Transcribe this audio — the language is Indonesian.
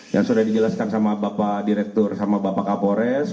yang sudah dijelaskan sama bapak direktur sama bapak kapolres